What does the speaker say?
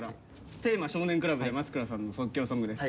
テーマ「少年倶楽部」で松倉さんの即興ソングです。